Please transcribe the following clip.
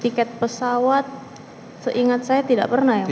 tiket pesawat seingat saya tidak pernah ya